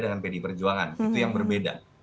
dengan pdi perjuangan itu yang berbeda